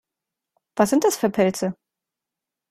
Was sind das für Pilze?